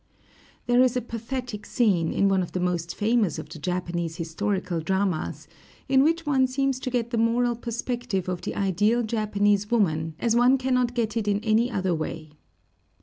There is a pathetic scene, in one of the most famous of the Japanese historical dramas, in which one seems to get the moral perspective of the ideal Japanese woman, as one cannot get it in any other way.